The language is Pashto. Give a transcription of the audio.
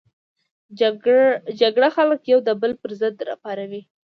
جګړه خلک یو د بل پر ضد راپاروي